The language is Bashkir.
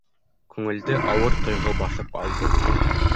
Күңелде ауыр тойғо баҫып алды.